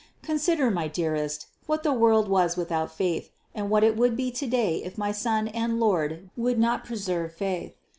Consider, my dearest, what the world was without faith and what it would be today if my Son and Lord would not preserve faith.